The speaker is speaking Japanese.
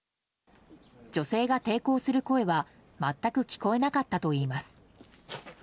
女性が抵抗する声は全く聞こえなかったといいます。